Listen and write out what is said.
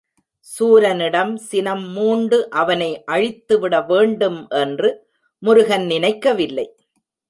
சூரனிடம் சினம் மூண்டு அவனை அழித்துவிட வேண்டும் என்று முருகன் நினைக்கவில்லை.